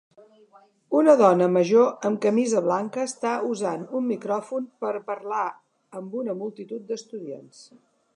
Una dona major amb camisa blanca està usant un micròfon per a parlar amb una multitud d'estudiants